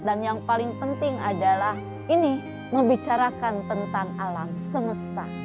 dan yang paling penting adalah ini membicarakan tentang alam semesta